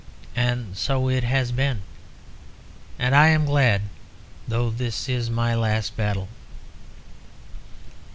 And so it has been. And I am glad, though this is my last battle."